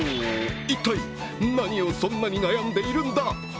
一体、何をそんなに悩んでいるんだ。